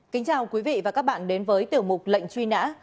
kính chào quý vị và các bạn đến với tiểu mục lệnh truy nã